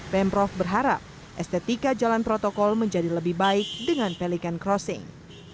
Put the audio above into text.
pemprov berharap estetika jalan protokol menjadi lebih baik dengan pelikan crossing